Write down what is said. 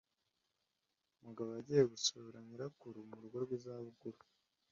Mugabo yagiye gusura nyirakuru mu rugo rw’izabukuru.